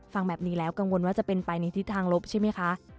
ฟังแบบนี้แล้วกังวลว่าจะเป็นไปในทิศทางลบใช่ไหมคะ